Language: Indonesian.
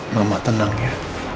mama tenang ya